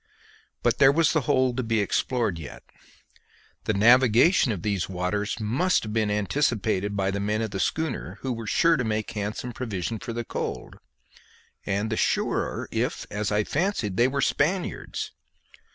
But there was the hold to be explored yet; the navigation of these waters must have been anticipated by the men of the schooner, who were sure to make handsome provision for the cold and the surer if, as I fancied, they were Spaniards.